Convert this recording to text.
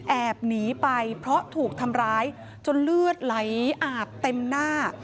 แอบหนีไปเพราะถูกทำร้ายจนเลือดไหลอาบเต็มหน้า